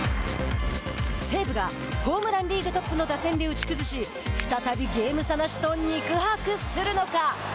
西武がホームランリーグトップの打線で打ち崩し再びゲーム差なしと肉薄するのか。